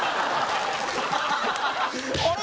あれ？